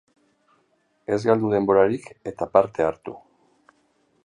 Ez galdu denborarik, eta parte hartu!